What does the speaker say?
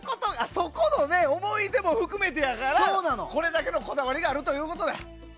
そこの思い出も含めてやからこれだけのこだわりがあるということや。